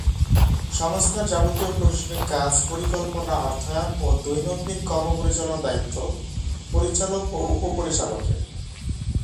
সংস্থার যাবতীয় প্রশাসনিক কাজ, পরিকল্পনা, অর্থায়ন ও দৈনন্দিন কর্ম পরিচালনার দায়িত্ব পরিচালক ও উপ-পরিচালকের।